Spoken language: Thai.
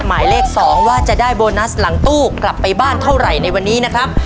หมายเลข๒ว่าจะได้โบนัสหลังตู้กลับไปบ้านเท่าไหร่ในวันนี้นะครับ